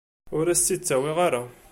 Ur as-tt-id-ttawi ara.